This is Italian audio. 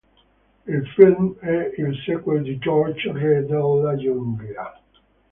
Il film è il sequel di "George re della giungla...?".